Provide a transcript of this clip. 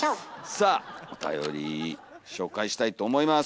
さあおたより紹介したいと思います。